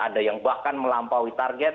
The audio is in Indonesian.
ada yang bahkan melampaui target